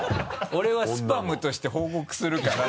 俺はスパムとして報告するから。